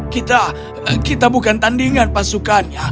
kita kita bukan tandingan pasukannya